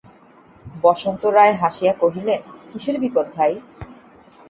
বসন্ত রায় হাসিয়া কহিলেন, কিসের বিপদ ভাই?